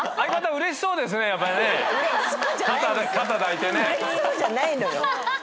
うれしそうじゃないのよ。